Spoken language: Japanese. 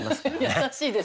優しいです。